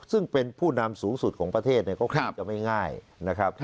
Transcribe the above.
ซึ่งเป็นผู้นำสูงสุดของประเทศเนี่ยก็คงจะไม่ง่ายนะครับ